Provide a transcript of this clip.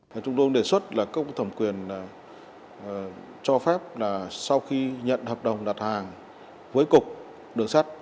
tổng công ty đề xuất là cục thẩm quyền cho phép là sau khi nhận hợp đồng đặt hàng với cục đường sắt